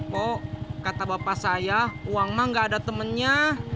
kok kata bapak saya uang mah gak ada temennya